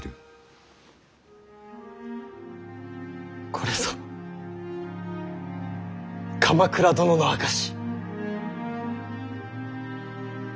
これぞ鎌倉殿の証し。